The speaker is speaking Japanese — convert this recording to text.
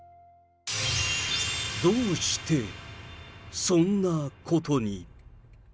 どうして、そんなことに？